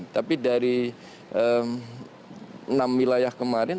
tapi dari enam wilayah kemarin